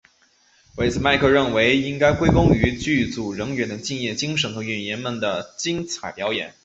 对此麦克认为应该归功于剧组人员的敬业精神和演员们的精彩表演。